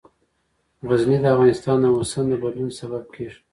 غزني د افغانستان د موسم د بدلون سبب کېږي.